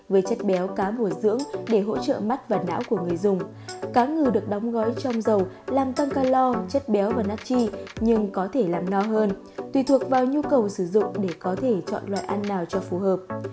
với chất béo cá bồi dưỡng để hỗ trợ mắt và não của người dùng cá ngừ được đóng gói trong dầu làm tăng ca lo chất béo và nắt chi nhưng có thể làm no hơn tùy thuộc vào nhu cầu sử dụng để có thể chọn loại ăn nào cho phù hợp